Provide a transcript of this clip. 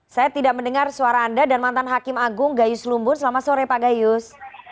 saya tidak mendengar suara anda dan mantan hakim agung gayus lumbun selamat sore pak gayus